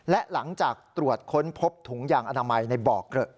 และหลังจากตรวจค้นพบถุงยางอนามัยในบ่อเกลอะ